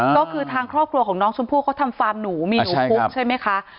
ก็คือทางครอบครัวของน้องชมพู่เขาทำฟาร์มหนูมีหนูคุกใช่ไหมคะ